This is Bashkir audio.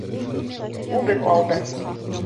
Үбеп алды.